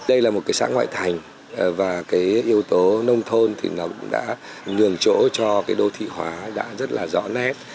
đây là một xã ngoại thành và yếu tố nông thôn đã nhường chỗ cho đô thị hóa rất rõ nét